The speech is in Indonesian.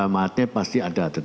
lebem mayatnya pasti ada lebem mayat